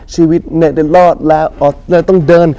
ชีวิตเนี่ยได้รอดแล้วต้องเดิน